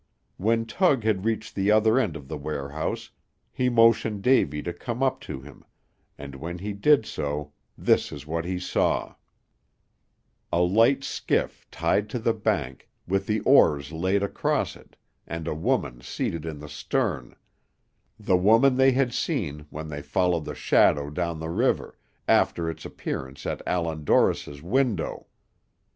When Tug had reached the other end of the warehouse, he motioned Davy to come up to him; and when he did so this is what he saw: A light skiff tied to the bank, with the oars laid across it, and a woman seated in the stern the woman they had seen when they followed the shadow down the river, after its appearance at Allan Dorris's window.